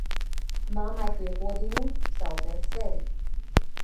Mammai piekodinuu saudzēt sevi.